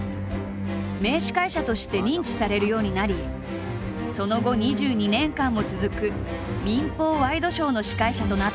名司会者として認知されるようになりその後２２年間も続く民放ワイドショーの司会者となった。